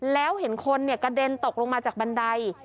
แล้วเห็นคนกระเด็นตกลงมาจากบันได